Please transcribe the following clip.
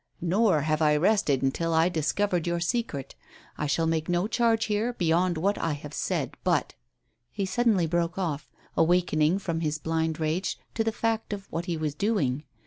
Nor have I rested until I discovered your secret. I shall make no charge here beyond what I have said, but " He suddenly broke off, awakening from his blind rage to the fact of what he was doing.